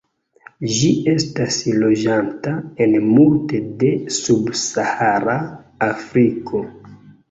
Ĝi estas loĝanta en multe de subsahara Afriko.